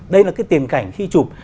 đây là cái tiềm cảnh khi chụp